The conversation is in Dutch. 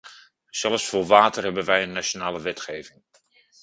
Zelfs voor water hebben wij een nationale wetgeving.